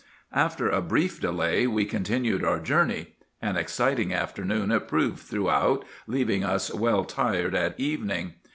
After a brief delay we continued our journey. An exciting afternoon it proved throughout, leaving us well tired at evening.